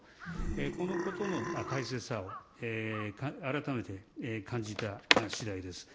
このことの大切さを改めて感じたしだいです。